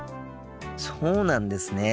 そうなんですね。